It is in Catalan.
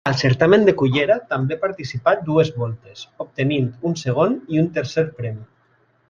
Al Certamen de Cullera també participà dues voltes, obtenint un Segon i un Tercer Premi.